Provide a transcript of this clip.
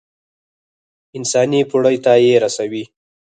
انساني پوړۍ ته يې رسوي.